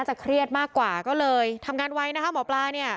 จ่ายค่ะโรงพยาบาลก็ไม่หมดเป็นหนี้โรงพยาบาลอยู่ค่ะ